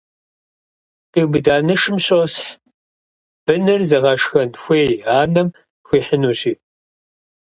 Къиубыда нышым щосхь, быныр зыгъэшхэн хуей анэм хуихьынущи.